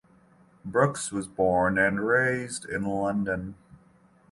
Brooks was born and raised in London.